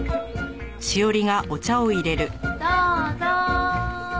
どうぞ。